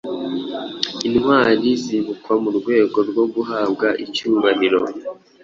Intwari zibukwa mu rwego rwo guhabwa icyubahiro